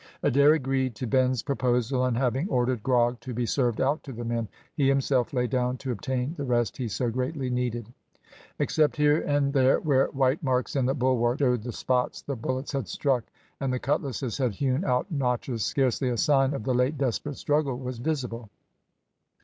Adair agreed to Ben's proposal, and having ordered grog to be served out to the men, he himself lay down to obtain the rest he so greatly needed. Except here and there where white marks in the bulwarks showed the spots the bullets had struck, and the cutlasses had hewn out notches, scarcely a sign of the late desperate struggle was visible.